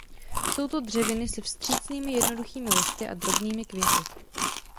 Jsou to dřeviny se vstřícnými jednoduchými listy a drobnými květy.